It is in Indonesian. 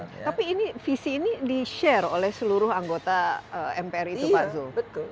tapi visi ini di share oleh seluruh anggota mpr itu pak zul